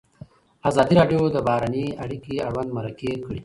ازادي راډیو د بهرنۍ اړیکې اړوند مرکې کړي.